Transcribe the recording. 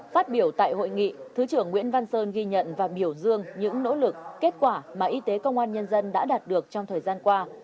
phát biểu tại hội nghị thứ trưởng nguyễn văn sơn ghi nhận và biểu dương những nỗ lực kết quả mà y tế công an nhân dân đã đạt được trong thời gian qua